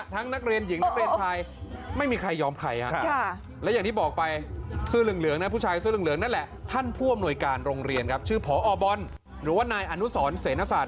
ท่านผู้อำนวยการโรงเรียนครับชื่อผอบอลหรือว่านายอนุสรเสนษาศาสตร์